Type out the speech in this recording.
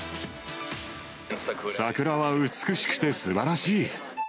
桜は美しくてすばらしい！